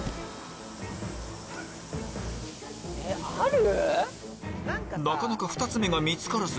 えっある？